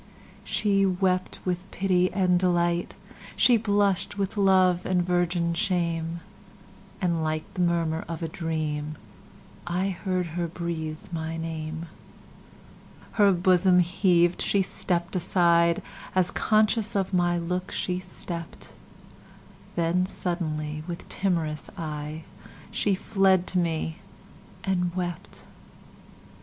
She wept with pity and delight, She blush'd with love and virgin shame; And like the murmur of a dream,I heard her breathe my name. Her bosom heaved—she stepp'd aside, As conscious of my look she stept—Then suddenly, with timorous eyeShe fled to me and wept.